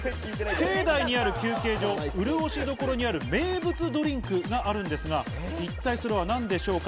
境内にある休憩所・うるおし処にある名物ドリンクがあるのですが、一体それは何でしょうか？